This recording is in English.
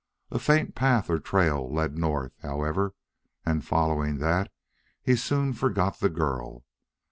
A faint path or trail led north, however, and, following that, he soon forgot the girl.